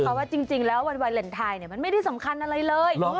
เพราะว่าจริงแล้ววันวาเลนไทยมันไม่ได้สำคัญอะไรเลย